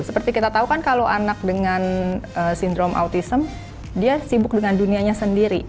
seperti kita tahu kan kalau anak dengan sindrom autism dia sibuk dengan dunianya sendiri